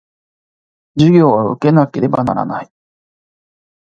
授業は受けなければならない